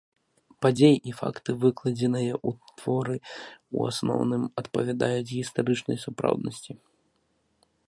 Падзеі і факты, выкладзеныя у творы, у асноўным, адпавядаюць гістарычнай сапраўднасці.